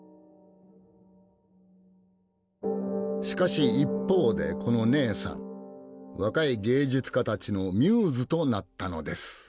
しかし一方でこのねえさん若い芸術家たちのミューズとなったのです。